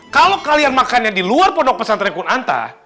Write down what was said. kalau kalian makannya di luar pondok pesantren kunanta